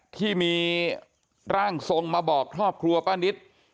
ที่มีร่างทรงมาบอกครอบครัวป้านิต